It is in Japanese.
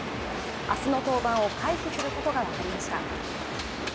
明日の登板を回避することが分かりました。